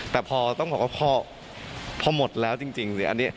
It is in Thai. แต่พอต้องบอกว่าพอหมดแล้วจริงเนี่ย